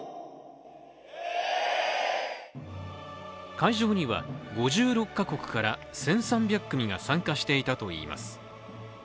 会場には５６か国から１３００組が参加していたといいます。